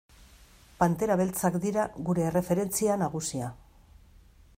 Pantera Beltzak dira gure erreferentzia nagusia.